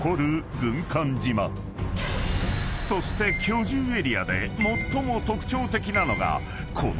［そして居住エリアで最も特徴的なのがこの］